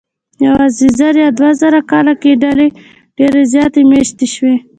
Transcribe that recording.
یواځې زر یا دوه زره کاله کې ډلې ډېرې زیاتې مېشتې شوې.